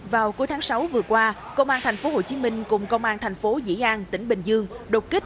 vào cuối tháng sáu vừa qua công an thành phố hồ chí minh cùng công an thành phố dĩ an tỉnh bình dương đột kích